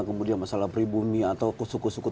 kemudian masalah pribumi atau suku suku